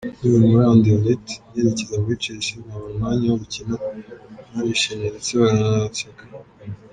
Nkiva muri Anderlecht nerekeza muri Chelsea nkabura umwanya wo gukina barishimye ndetse baranseka.